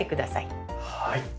はい。